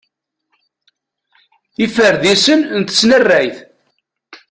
Iferdisen n tesnarrayt.